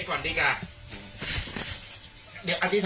ของขวานวันเดือดหรอ